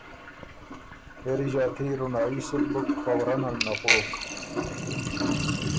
پېری ݫاتي رونړايي سُک بُک فوراً ال نغوک۔